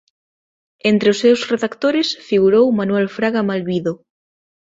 Entre os seus redactores figurou Manuel Fraga Malvido.